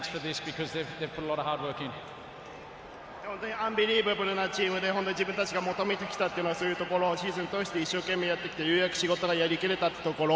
アンビリーバブルなチームで自分たちが求めてきたというのはそういうところ、シーズンを通してやってきて、ようやく仕事ができたというところ。